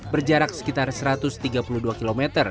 berjarak sekitar satu ratus tiga puluh dua km